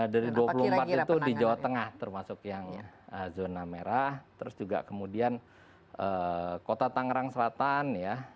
dari dua puluh empat itu di jawa tengah termasuk yang zona merah terus juga kemudian kota tangerang selatan ya